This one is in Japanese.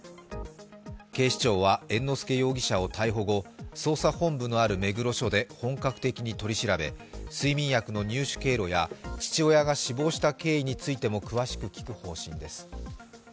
警視庁は、猿之助容疑者を逮捕後、捜査本部のある目黒署で本格的に取り調べ睡眠薬の入手経路や父親が死亡した経緯についても詳しく聴く方針です。